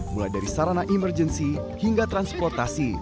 mulai dari sarana emergensi hingga transportasi